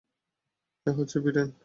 এ হচ্ছে ভিরেন!